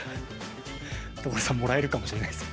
所さんもらえるかもしれないですよ。